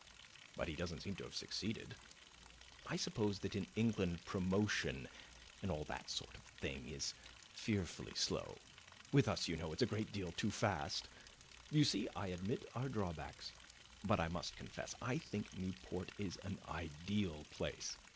But he doesn't seem to have succeeded. I suppose that in England promotion and all that sort of thing is fearfully slow. With us, you know, it's a great deal too fast. You see, I admit our drawbacks. But I must confess I think Newport is an ideal place.